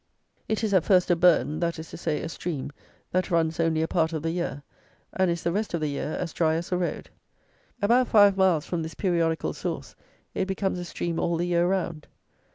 It is at first a bourn, that is to say, a stream that runs only a part of the year, and is the rest of the year as dry as a road. About 5 miles from this periodical source, it becomes a stream all the year round.